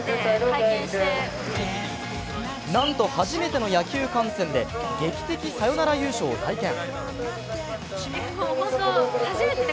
なんと初めての野球観戦で劇的サヨナラ優勝を体験。